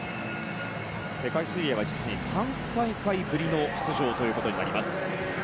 世界水泳は実に３大会ぶりの出場ということになります。